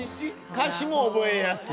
歌詞も覚えやすい。